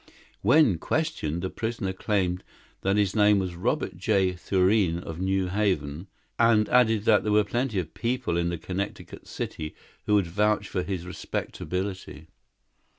When questioned, the prisoner claimed that his name was Robert J. Thurene of New Haven, and added that there were plenty of people in the Connecticut city who would vouch for his respectability.